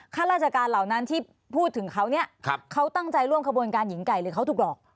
ข้าราชการเหล่านั้นที่พูดถึงเขาเนี่ยเขาตั้งใจร่วมขบวนการหญิงไก่หรือเขาถูกหลอก